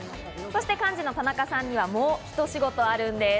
そして幹事の田中さんには、もうひと仕事あるんです。